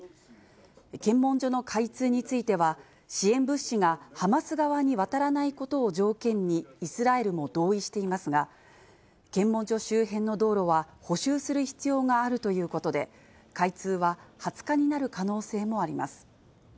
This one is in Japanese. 検問所の開通については、支援物資がハマス側に渡らないことを条件に、イスラエルも同意していますが、検問所周辺の道路は、補修する必要があるということで、開通は２０日になる可能性もあります。